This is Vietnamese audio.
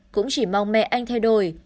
cũng chỉ mong mẹ anh thay đổi